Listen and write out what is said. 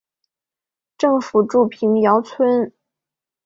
政府驻瓶窑镇新窑村。